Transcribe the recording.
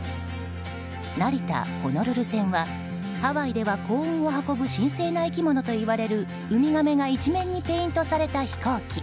成田ホノルル線はハワイでは幸運を運ぶ神聖な生き物といわれるウミガメが一面にペイントされた飛行機。